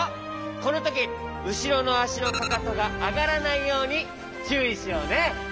このときうしろのあしのかかとがあがらないようにちゅういしようね！